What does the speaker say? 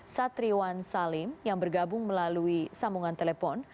satriwan salim yang bergabung melalui sambungan telepon